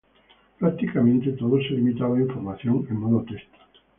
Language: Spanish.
Prácticamente todo se limitaba a información en modo texto.